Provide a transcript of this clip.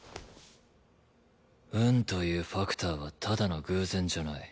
運というファクターはただの偶然じゃない。